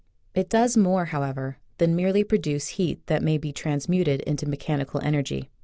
It does more, however, than merely produce heat that may be transmuted into mechanical energy.